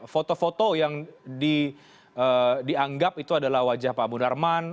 foto foto yang dianggap itu adalah wajah pak munarman